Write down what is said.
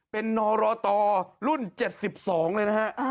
เป็นนรตรุ่น๗๒เลยนะฮะ